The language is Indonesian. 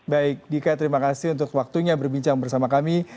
baik dika terima kasih untuk waktunya berbincang bersama kami